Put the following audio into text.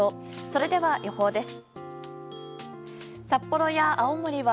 それでは、予報です。